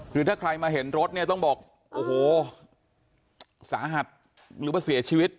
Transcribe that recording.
คือถ้าใครมาเห็นรถเนี่ยต้องบอกโอ้โหสาหัสหรือว่าเสียชีวิต